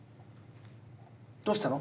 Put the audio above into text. どうしたの？